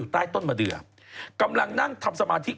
ปลาหมึกแท้เต่าทองอร่อยทั้งชนิดเส้นบดเต็มตัว